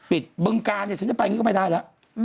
บึงกาลเนี่ยฉันจะไปอย่างนี้ก็ไม่ได้แล้ว